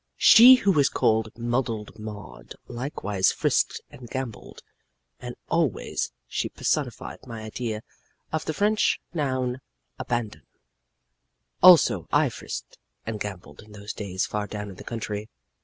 "She who was called Muddled Maud likewise frisked and gamboled and always she personified my idea of the French noun abandon. "Also I frisked and gamboled in those days far down in the country.